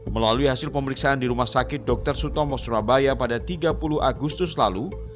melalui hasil pemeriksaan di rumah sakit dr sutomo surabaya pada tiga puluh agustus lalu